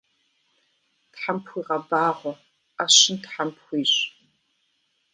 Тхьэм пхуигъэбагъуэ, ӏэщын тхьэм пхуищӏ.